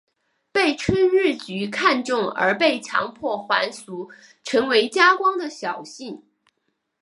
被春日局看中而被强迫还俗成为家光的小姓。